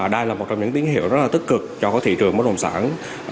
đây là một trong những tín hiệu rất là tích cực cho thị trường bất đồng sản